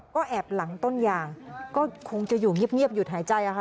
ก็แอบหลังต้นยางก็คงจะอยู่เงียบหยุดหายใจค่ะ